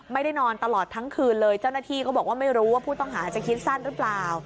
ไม่ได้นอนตลอดทั้งคืนเลยเจ้าหน้าที่ก็บอกว่าไม่รู้ว่าผู้ต้องหาจะคิดสั้นหรือเปล่า